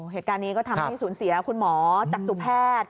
เหตุการณ์นี้ก็ทำให้สูญเสียคุณหมอจักษุแพทย์